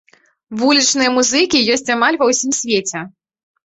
Вулічныя музыкі ёсць амаль ва ўсім свеце.